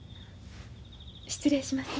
失礼します。